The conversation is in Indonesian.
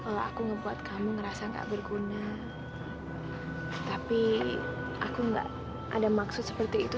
re maaf ya kalau aku ngebuat kamu ngerasa nggak berguna tapi aku nggak ada maksud seperti itu